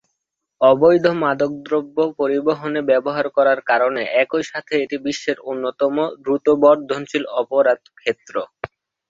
অবৈধ মাদকদ্রব্য পরিবহনে ব্যবহার করার কারণে একই সাথে এটি বিশ্বের অন্যতম দ্রুত বর্ধনশীল অপরাধ ক্ষেত্র।